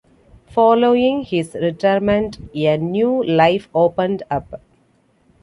Following his retirement, a new life opened up.